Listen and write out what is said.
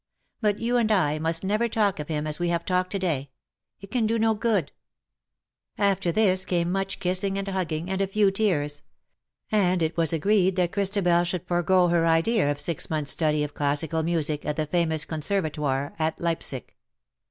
But you and I must never talk of him as we have talked to day : it can do no good/^ After this came much kissing and hugging, and a few tears ; and it was agreed that Christabel should forego her idea of six months^ study of classical music at the famous conservatoire at Leipsic.